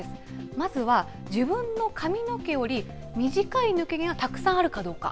まずは自分の髪の毛より短い抜け毛がたくさんあるかどうか。